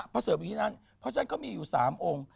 เสริมอยู่ที่นั่นเพราะฉะนั้นก็มีอยู่๓องค์